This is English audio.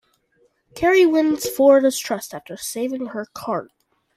Carrie wins Flora's trust after saving her cart.